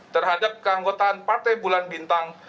terhadap keanggotaan partai bulan bintang